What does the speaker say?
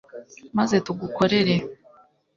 maze tugukorere